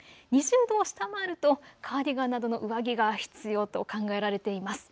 ２０度を下回るとカーディガンなどの上着が必要と考えられています。